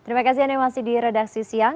terima kasih anda masih di redaksi siang